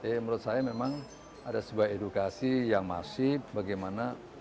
jadi menurut saya memang ada sebuah edukasi yang masih bagaimana